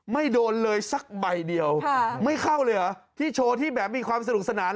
ไม่โดนเลยสักใบเดียวไม่เข้าเลยเหรอที่โชว์ที่แบบมีความสนุกสนาน